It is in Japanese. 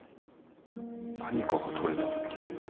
何かが取れた。